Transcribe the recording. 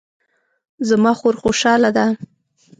زما خور خوشحاله ده